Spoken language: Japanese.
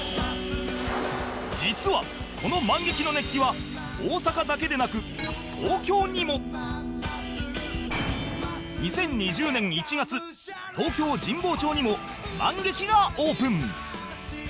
実はこのマンゲキの熱気は大阪だけでなく東京にも２０２０年１月東京神保町にもマンゲキがオープン